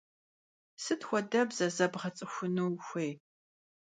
Sıt xuedebze zebğets'ıxunu vuxuêy?